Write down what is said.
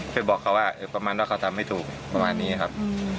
ไปบอกเขาว่าประมาณว่าเขาทำไม่ถูกประมาณนี้ครับ